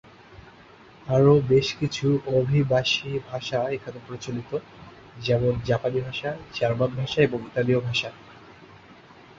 আরও বেশ কিছু অভিবাসী ভাষা এখানে প্রচলিত, যেমন জাপানি ভাষা, জার্মান ভাষা এবং ইতালীয় ভাষা।